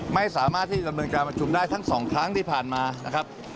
ไม่สามารถที่ดำเนินการประชุมได้ทั้งสองครั้งที่ผ่านมานะครับ